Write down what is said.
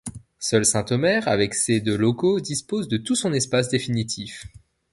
Seul Saint-Omer avec ses de locaux dispose de tout son espace définitif.